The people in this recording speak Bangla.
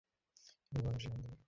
এই বর্ণনাটি সন্দেহযুক্ত।